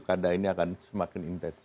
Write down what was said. karena ini akan semakin intens